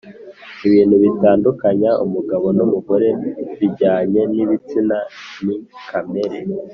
ibintu bitandukanya umugabo n’umugore bijyanye n’ibitsina, ni kamere